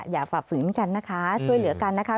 ฝ่าฝืนกันนะคะช่วยเหลือกันนะคะ